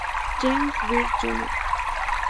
James Byrd Jr.